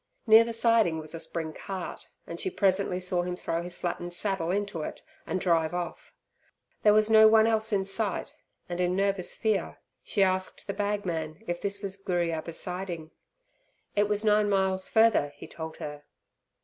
Near the siding was a spring cart, and she presently saw him throw his flattened saddle into it and drive off. There was no one else in sight, and in nervous fear she asked the bagman if this was Gooriabba siding. It was nine miles further, he told her.